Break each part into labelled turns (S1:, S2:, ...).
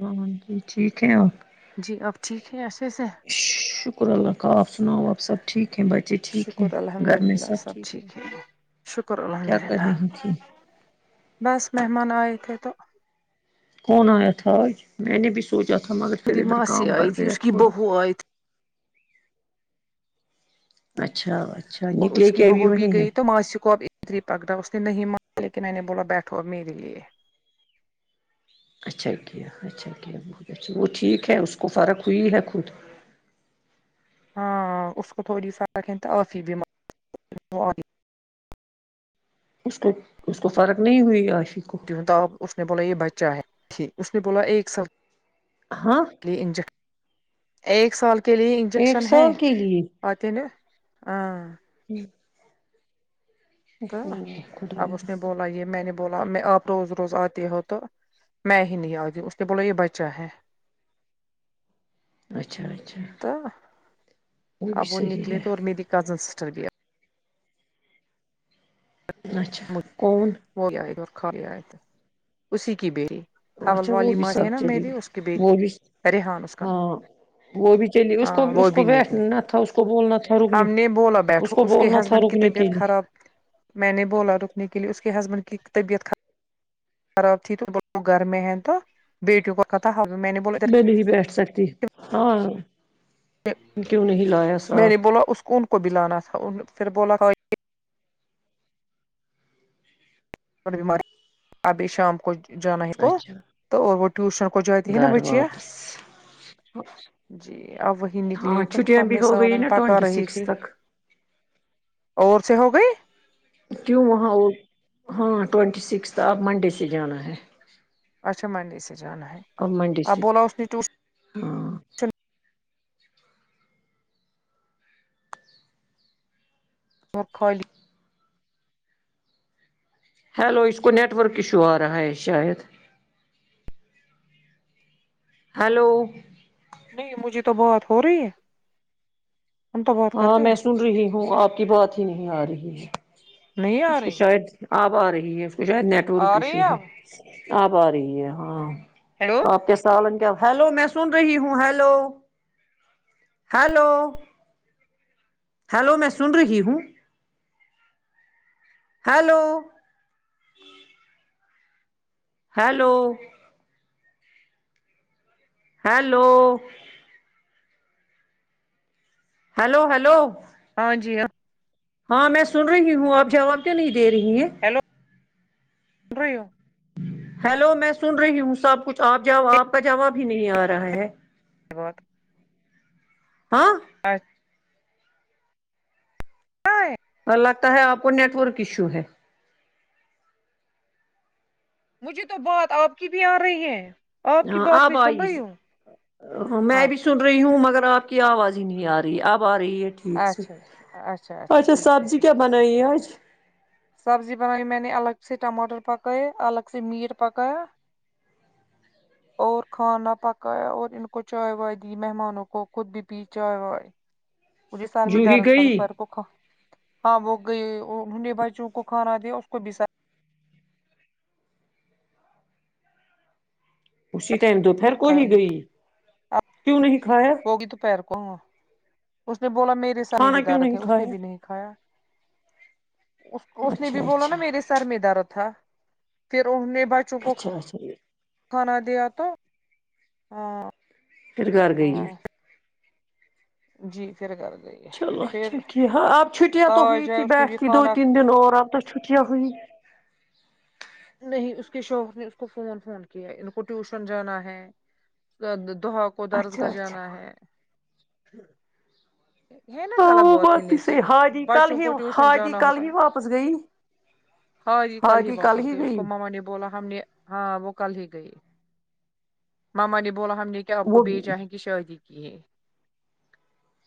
S1: اں جی ٹھیک ہیں
S2: جی آپ ٹھیک ہے اچھے سے
S1: شکر اللہ کا آپ سناؤ آپ سب ٹھیک ہیں بٹ
S2: شکر الحمد للہ سب ٹھیک ہیں شکر الحمد
S1: کیا کر
S2: للہ
S1: رہی تھی
S2: بس مہمان آئے تھے تو
S1: کون آیا تھا آج میں نے بھی سوچا تھا مگر پھر
S2: میری
S1: ادھر
S2: ماسی
S1: کام پڑ
S2: آئی تھی
S1: گیایا
S2: اس کی
S1: تھوڑا
S2: بہو آئی تھی
S1: اچھا اچھا
S2: اور اس
S1: نکلے
S2: کی
S1: کہ ابھی
S2: بہو بھی
S1: وہیں ہے
S2: گئی تو ماسی کو اب ری پکڑا اس نے نہیں مارا لیکن میں نے بولا بیٹھو اور میرے لیے
S1: اچھا کیا اچھا کیا بہت اچھا وہ ٹھیک ہے اس کو فرق ہوئی ہے خود
S2: ہاں اس کو تھوڑی سارایں [unintelligible]
S1: اس کو اس کو فرق نہیں ہوئی عاشق کو
S2: بتاؤ اس نے بولا یہ بچہ ہے ٹھیک اس نے بولا ایک سآل
S1: ہاں
S2: یہ ا نج ایک سال کے لیے
S1: ایک
S2: انجیکشن ہے
S1: سال کے لیے
S2: آ تے نا ہاں
S1: ہوں
S2: تو
S1: اوہ،
S2: اب اس نے
S1: خدایا
S2: بولا یہ میں نے بولا میں آپ روز روز آتے ہو تو میں ہی نہیں آ ٹی اس نے بولو یہ بچہ ہے
S1: اچھا اچھا
S2: تو
S1: بھی
S2: اب وہ
S1: صحیح
S2: نکلے تو اور
S1: ہے
S2: نیدی کزن سسٹر بھی ہے
S1: اچھا کون
S2: ہو گیا ہے اورکھا گیائے تو اسی کی بیری اپن
S1: اچھا وہ بھی
S2: والیمہ دییے
S1: سب
S2: نا میں
S1: چلی
S2: بھی
S1: گئی
S2: اس کے بی
S1: وہ بھی
S2: ریحان اس کا
S1: ہاں وہ بھی چلی اس کو
S2: ہاں وہ
S1: اس کو
S2: بھی نکلے
S1: بیٹھنا تھا اس کو بولنا تھا رکنے
S2: ہم نے بولا بیٹھو
S1: کو
S2: اس کے
S1: بولنا تھا
S2: ہسبینڈ کی
S1: رکنے
S2: طیع
S1: کے
S2: بیعت
S1: لیے
S2: خراب میں نے بولا رکنے کے لیے اس کے ہسبینڈ کی طبیعت خراب خراب تھی تو گھر میں ہیں تو بیٹیوں کا پتا ہوا میں نے بول ادھر
S1: نہیں بیٹھ سکتی ہاں کیوں نہیں لایا
S2: میں نے
S1: ساتھ
S2: بولا اس کو ان کو بھی لانا تھا ان پھر بولا نئی بیماری ابھی شام کو جانا ہے کو
S1: اچھا
S2: تو اور وہ ٹیوشن کو جاتی ہے نا
S1: گھر
S2: بچیاں
S1: واپس
S2: جی اب وہی نکلے
S1: ہاں
S2: تو
S1: چھٹیاں بھی
S2: ہمیں
S1: ہو گئی
S2: سالن
S1: نا
S2: پکا
S1: ٹوینٹی
S2: رہی
S1: سکس
S2: تھی
S1: تک
S2: اور سے ہو گئی
S1: کیوں وہاں وہ ہاں ٹوینٹی سکس اب منڈے سے جانا ہے
S2: اچھا منڈے سے جانا ہے
S1: اب منڈ ے سے
S2: بولا اس نے ٹیوشن
S1: ہاں
S2: وہ خالی
S1: ہیلو اس کو نیٹ ورک ایشو آ رہا ہے شاید ہلو
S2: نہیں مجھے تو بات ہو رہی ہے ہم تو بات کر
S1: ہاں
S2: رہے ہیں
S1: میں سن رہی ہوں آپ کی بات ہی نہیں آ رہی ہے
S2: نہیں آ
S1: اس کو
S2: رہی
S1: شاید اب آ رہی ہے پھر شاید نیٹورک
S2: آ رہی
S1: ایشو ہے
S2: اب
S1: اب آ رہی ہے ہاں
S2: ہیلو
S1: آپ کے سال کیا ہلو میں سن رہی ہوں ہیلو ہیلو ہیلو میں سن رہی ہوں hello hello hello hello hello
S2: ہاں جی ہاں
S1: ہاں میں سن رہی ہوں آپ جواب کیوں نہیں دے رہی ہیں
S2: ہیلو سن رہی ہو
S1: ہیلو میں سن رہی ہوں سب کچھ آپ جا آپ کا جواب بھی نہیں آ رہا ہے
S2: اس کے بعد
S1: ہاں
S2: اچھ آے
S1: اور لگتا ہے آپ کو نیٹ ورک ایشو ہے
S2: مجھے تو بات آپ کی بھی آ رہی ہے کی
S1: ہاں
S2: بات
S1: آپ
S2: میں سن
S1: آئیس
S2: رہی ہوں
S1: ہ میں بھی
S2: اچھا
S1: سن
S2: اچھا
S1: رہی ہوں مگر آپ کی آواز ہی نہیں آ رہی اب آ رہی ہے تھیک سے
S2: اچھا اچھا
S1: اچھا
S2: ٹھیک ہے
S1: سبزی کیا
S2: ٹھیک ہے ٹھیک ہے
S1: بنائیے آج
S2: سبزی بنائی میں نے الگ سے ٹماٹر پکائے الگ سے میٹ پکایا اور کھانا پکایا اور ان کو چائے وائے دی مہمانوں کو خود بھی پی چائے وائے مجھے سر میں
S1: جو ہی
S2: درد تھا تو
S1: گئی
S2: فرق ہوکھا ہاں وہ گیۓ انوں نے بچوں کو کھانا دیا اس کو بس
S1: اسی ٹائم دوپہر کو
S2: سر
S1: ہی
S2: نہیں
S1: گئی
S2: کھایا اب
S1: کیوں نہیں کھایا
S2: ہوگی دو پہیر کو ہاں اس نے بولا میرے سامع بھی
S1: کھانا کیوں
S2: دارد
S1: نہیں
S2: ہے اس نے
S1: کھایا
S2: بھی نہیں ایا اس اس نے بھی
S1: اچھا
S2: بولا نا
S1: اچھا
S2: میرے سے سر میں درد تھا پھر انہ نے بچوں کو
S1: اچھا اچھا
S2: کھانا دیا تو ہاں
S1: پھر گھر گئیے
S2: ہاں جی پھر کر گئی
S1: چلو اچھا
S2: پھر
S1: ٹھ ہاں اب چھٹیاں تو ہوئی
S2: تاج ہے
S1: تھی
S2: اس نے
S1: بیٹھ
S2: بھی
S1: ت دو
S2: کھانا
S1: تین دن اور آ تو چھٹیاں ہوئی
S2: نہیں اس کے شوہر نے اس کو فون فون کیا ہے ان کو ٹیوشن جانا ہے دوہا کو درس
S1: اچھا
S2: گا
S1: اچھا
S2: جانا ہے ہے نا
S1: ہ
S2: غلط
S1: وہ
S2: ہے
S1: بات بھی
S2: لیکن
S1: صحیح حا جی کل
S2: بچوں
S1: ہی
S2: کو
S1: ہا
S2: ٹیوشن
S1: جی
S2: جانا
S1: کل
S2: ہوتا
S1: ہی
S2: ہے
S1: واپس گئی
S2: ہاں یہ کل ہی واپس گئے اس کو ماما نے بولا ہم نے ہاں وہ کل ہی گئی ماما نے بولا ہم نے کیا آپ کو
S1: وہ
S2: بیےچاہیں گی شادی کی کیہ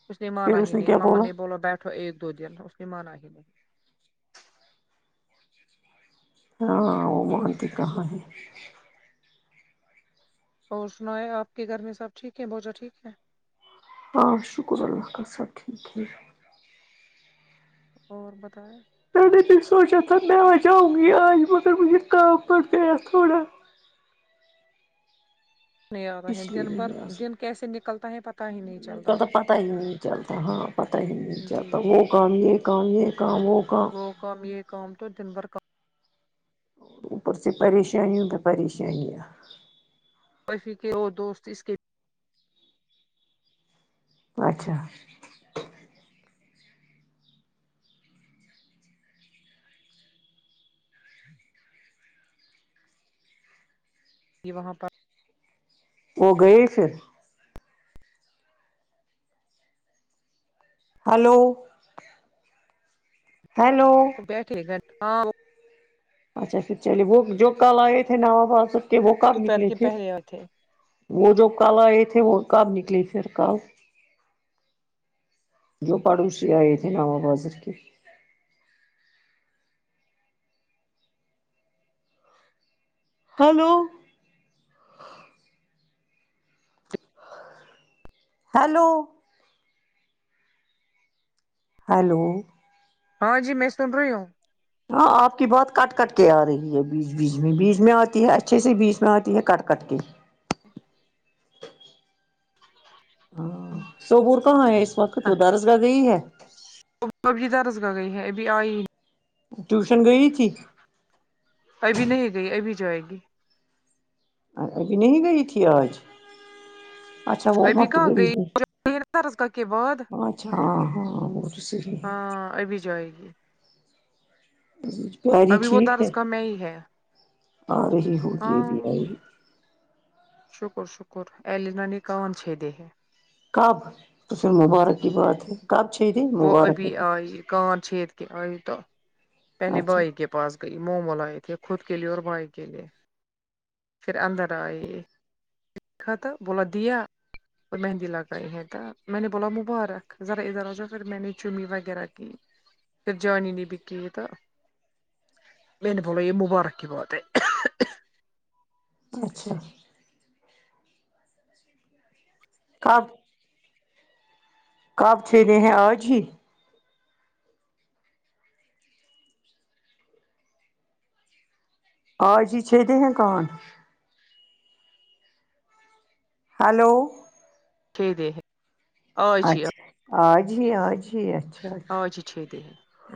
S2: اس نے
S1: پھر
S2: مانا ہی
S1: اس نے
S2: نہیں
S1: کیا
S2: مما نے بولا بیٹھو ایک دو دن اس نے مانا ہی نہیں
S1: ہاں وہ مانتی کہاں ہیں
S2: اور سنا ہے آپ کے گھر میں سب ٹھیک ہے بچ ٹھیک ہے
S1: ہ شکر اللہ کا سب ٹھیک ہے
S2: اور بتائیں
S1: نی مینے سونچا تھا میی اجونگی آج مگر مجھے کام لگ گیا تھوڑا
S2: نہیں آ رہے
S1: اس
S2: ہیں
S1: لیے
S2: دن
S1: نہیں
S2: بھر
S1: اساک
S2: دن کیسے نکلتا ہے پتا ہی نہیں
S1: تو
S2: چلتا
S1: تو
S2: ہے
S1: پتا ہی ہے چلتا ہاں پتہ ہی نہیں
S2: جی
S1: چلتا وہ
S2: جی جی
S1: کام یہ کام یہ کام وہ کام
S2: کام یہ کام تو دن بھر کام
S1: اوپر س پریشانیوں پے پریشانیں
S2: بفی کے اور دوست اس کے
S1: اچھا
S2: ج وہاں پر
S1: وہ گئے پھر ہیلو ہیلو
S2: بیٹھے گھر ہاں وہ
S1: اچھا اچھا چلیے وہ جو کل آئے تھے نوبادب کے وہ کب
S2: دوپہر
S1: نکلے
S2: کے
S1: پھر
S2: پہلے آئے تھے
S1: وہ جو کل آئے تھے وہ کب نکلی پھر کل جو پڑوسی آئے تھے نہ وہ بازر کے ہیلو ہیلو ہیلو
S2: ہاں جی میں سن رہی ہوں
S1: ہاں آپ کی بات کٹ کٹ کے آ رہی ہے بیچ بیچ میں بیچ میں آتی ہے اچھے سے بیچ میں آتی ہے کٹ کٹ کے ہاں سبور کہاں ہے اس وقت وہ درس گاہ گئی ہے
S2: وہ بھی د رس گاہ گئی ہے ابھی آئی
S1: ٹیوشن گئی تھی
S2: ابھی نہیں گئی ابھی جائے گی
S1: ابھی نہیں گئی تھی آج اچھا وہ م
S2: ابھی
S1: تو
S2: کہاں
S1: گی
S2: گئی
S1: ہے
S2: درس گاہ کے بعد
S1: اچھا اں ہاں وہ تو صحیح ہے
S2: ہاں ابھی جائے گی
S1: پیاری
S2: ابھی وہ
S1: ٹھیک ہے
S2: درس گاہ میں ہی ہے
S1: آ رہی ہو گی ا
S2: ہاں
S1: بھی آئیگی
S2: شکر شکر ایلینا نےکان چھیدے ہے
S1: کب قسل مبارک کی بات ہے کب چھیدے
S2: وہ ابھی آئی کان چھیید کے آئی تو پہلے
S1: اچھا
S2: بھائی کے پاس گئی مومو لا ۓ تھے خود کے لیے اور بھائی کے لیئے پھر اندر آۓ تھاتو بولا دیا اور مہندی لگائی ہے تو میں نے بولا مبارک ذرا ادھر آ جا فر میں نے چمیی وغیرہ کی پھر جانی نے بی کی ہے تو میں نے بولا یہ مبارک کی بات ہے
S1: اچھا کب کب چھیدے ہیں آج ہی آج ہی چھیدیں ہیں کان ہیلو
S2: دے دے آج ہی
S1: اچھا آج ہی آج ہی اچھ
S2: آج ہی چھیدے ہے ہ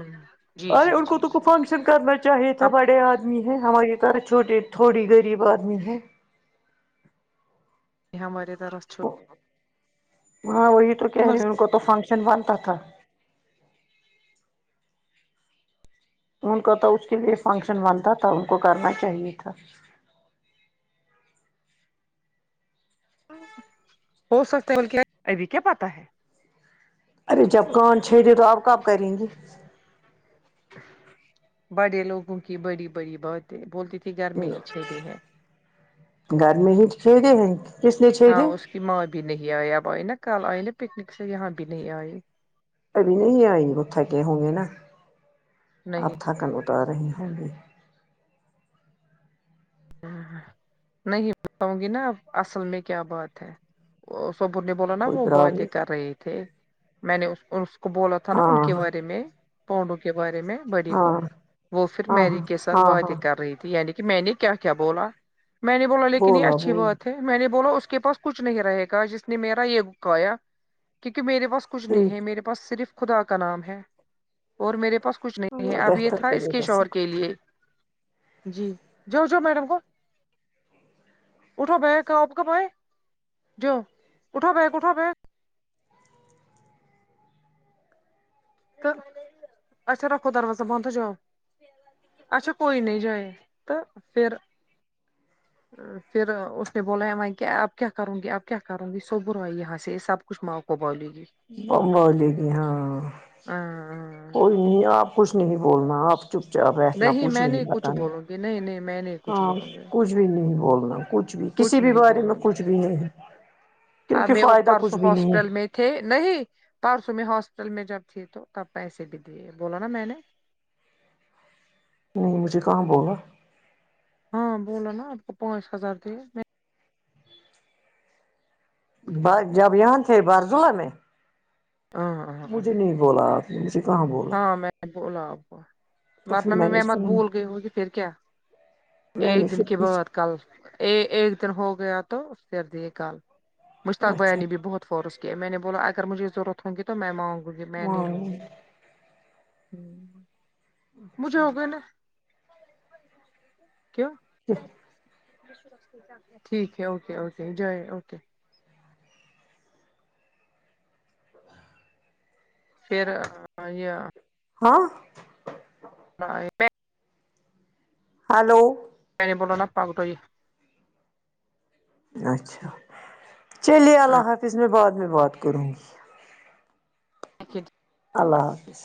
S1: ارے ان کو تو کو فنکشن کرنا چاہیے تھا
S2: اب
S1: بڑے آدھ آدمی ہے ہماری طر ح چھوٹے تھوڑی غریب آدمی ہے
S2: یہ ہماری طرح چھوٹے
S1: ہاں وہی تو کہہ رہے
S2: مرضی
S1: ان کو تو فنکشن بنتا تھا ان کو تو اس کے لیے فنکشن بنتا تھا ان کو کرنا چاہیے تھا
S2: ہو سکتا ہے بولک ابھی کیا پاتا ہے
S1: ارے جب کان چھیدے تو آپ کب کریں گی
S2: بڑے لوگوں کی بڑی بڑی باتیں بولتی تھی گھر میں ہی چھید ے ہیں
S1: گھر میں ہی چھیدے ہے
S2: ہاں اس کی ماں بھی نہیں آئی اب آئی نا کل آئی نا پکنک سے یہاں بھی نہیں آئی
S1: ابھی نہیں آئی وہ تھکے ہوں گے نا اب
S2: نہیں
S1: تھکن اتار رہی ہوں گی
S2: نہیں بتاؤں گی نا اب اصل میں کیا بات ہے وہ سبور نے بولا نا
S1: کوئی
S2: وہ باتیں
S1: پرابلم
S2: کر رہے تھے میں نےاس کواس کو بولا تھا نا ان
S1: ہاں
S2: کے بارے میں پاؤنو کے بارے میں بڑی
S1: ہاں
S2: کو
S1: ہاں
S2: وہ پھر
S1: ہاں
S2: میری کے ساتھ
S1: ہاں ہاں
S2: باتیں کر رہی تھی یعنی کہ میں نے کیا کیا بولا میں نے بولا لیکن یہ اچھی بات ہے میں نے بولا اس کے پاس کچھ نہیں رہے گا جس نے میرا یہ کایا کیونکہ میرے پاس کچھ نہیں
S1: ٹھیک
S2: ہے میرے پاس صرف خدا کا نام ہے اور میرے پاس کچھ نہیں ہے
S1: اللہ
S2: اب یہ
S1: بہتر
S2: تھا اس
S1: کرے
S2: کے
S1: گا
S2: شوہر
S1: سب
S2: کے لیے جی جو جو میڈم کو اٹھا بیگ آپ کب آئے جو اٹھا بیگ اٹھا بیگ تو اچھا رکو دروازہ بند ہے جاؤ اچھا کوئی نہیں جائے تو پھر پھر اس نے بولا ہے میں کہ اب کیا کروں گی اب کیا کروں گی سو بروائی یہاں سے سب کچھ ماں کو بولے گی
S1: اور واجب بھی ہاں
S2: ہاں ہاں
S1: اور میاں آپ کچھ نہیں بولنا آپ چپ چاپ بیٹھنا کچھ
S2: میں
S1: نہیں
S2: کچھ
S1: بتانا
S2: بولوں گی نہیں نہیں میں نہیں کچھ
S1: ہاں
S2: بولوں گی
S1: کچھ بھی نہیں بولنا کچھ بھی کسی بھی
S2: نہیں
S1: بارے میں
S2: بولوں گی
S1: کچھ بھی نہیں
S2: اب
S1: کیونکہ
S2: میں
S1: فائدہ کچھ
S2: پرسوں
S1: بھی نہیں
S2: ہاسپٹل
S1: ہے
S2: میں تھے نہیں پرسوں میں ہاسپٹل میں جب تھے تو تب پیسے بھی دیے بولا نا میں نے
S1: یم مجھے کہاں بولا
S2: ہاں بولا نا آپ کو پانچ ہزار دیے
S1: بار جب یہاں تھے بارزولہ میں
S2: ہاں ہاں ہاں
S1: مجھے نہیں بولا آپ نے مجھے کہاں بولا
S2: ہاں میں نے بولا آپ کو
S1: تو پھر
S2: ورنہ میں
S1: نے
S2: میں مت
S1: سنا
S2: بھول گئی ہونگی پھر کیا
S1: میں
S2: ایک
S1: نے
S2: دن کے بعد
S1: پھر
S2: کل اے ایک دن ہو گیا تو پھر دیے کل مشتاق
S1: اچھا
S2: بیانی بھی بہت فورس کیے میں نے بولا اگر مجھے ضرورت ہونگی تو میں مانگوں گی میں نہیں
S1: ہاں
S2: لوں گی ہوں مجھے ہوگئے نا کیوں
S1: [inaudible]
S2: ٹھیک ہے اوکے اوکے جائے اوکے پھر آ یا
S1: ہاں
S2: [unintelligible]
S1: ہیلو
S2: میں نے بولا نہ پکڑو یہ
S1: اچھا چلیے اللہ حافظ میں بعد میں بات کروں گی
S2: ٹھیک
S1: اللہ حافظ